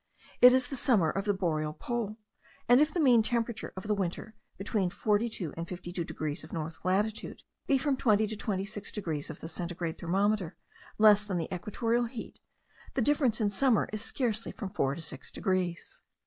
It is the summer of the boreal pole; and, if the mean temperature of the winter, between 42 and 52 degrees of north latitude, be from 20 to 26 degrees of the centigrade thermometer less than the equatorial heat, the difference in summer is scarcely from 4 to 6 degrees.